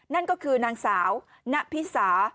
นั่นก็คือนางสาวณพิสา